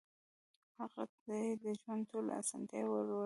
هغوی ته يې د ژوند ټولې اسانتیاوې ورکړې وې.